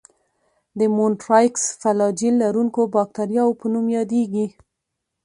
د مونټرایکس فلاجیل لرونکو باکتریاوو په نوم یادیږي.